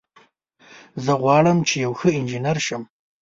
زه غواړم چې یو ښه انجینر شم